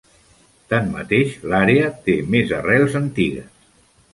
Tanmateix, l'àrea té més arrels antigues.